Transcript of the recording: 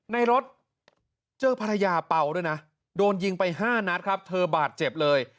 ในรถเจอภรรยาเป่าด้วยนะโดนยิงไป๕นัดครับเธอบาดเจ็บเลย